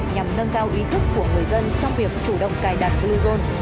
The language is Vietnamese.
nhằm nâng cao ý thức của người dân trong việc chủ động cài đặt bluezone